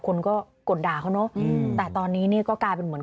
คนก็กดด่าเขาเนอะแต่ตอนนี้เนี่ยก็กลายเป็นเหมือน